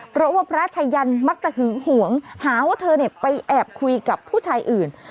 เพราะว่าพระชายันมักจะหึงหวงหาว่าเธอไปแอบคุยกับผู้ชายอื่น